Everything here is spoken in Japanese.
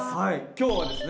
今日はですね